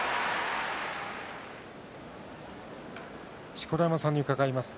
錣山さんに伺います。